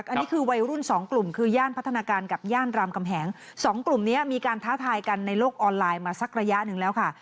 อันนี้คือวัยรุ่นสองกลุ่มคือย่านพัฒนาการกับย่านรามกำแหงสองกลุ่มนี้มีการท้าทายกันในโลกออนไลน์มาสักระยะหนึ่งแล้วค่ะ